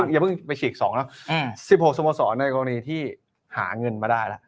อย่าเพิ่งไปฉีก๒เนอะ๑๖สโมสรในกรณีที่หาเงินมาได้แล้ว